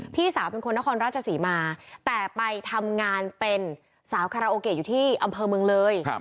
พี่สาวเป็นคนนครราชศรีมาแต่ไปทำงานเป็นสาวคาราโอเกะอยู่ที่อำเภอเมืองเลย